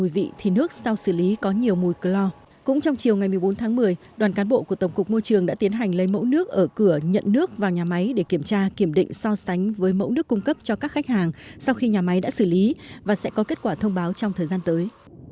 cũng trong chiều ngày một mươi bốn tháng một mươi đoàn cán bộ của tổng cục môi trường đã tiến hành lấy mẫu nước ở cửa nhận nước vào nhà máy để kiểm tra kiểm định so sánh với mẫu nước cung cấp cho các khách hàng sau khi nhà máy đã xử lý và sẽ có kết quả thông báo trong thời gian tới